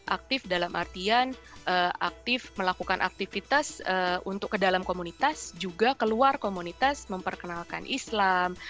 aktif dalam artian aktif melakukan aktivitas untuk ke dalam komunitas juga keluar komunitas memperkenalkan islam